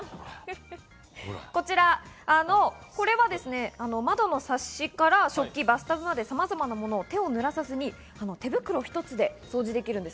こちら窓のサッシから食器、バスタブまでさまざまな物を手を濡らさずに、手袋一つで掃除できます。